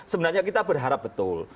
sebenarnya kita berharap betul